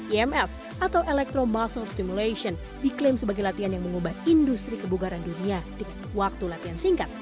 ims atau electro muscle stimulation diklaim sebagai latihan yang mengubah industri kebugaran dunia dengan waktu latihan singkat